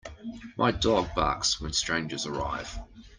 My dog barks when strangers arrive.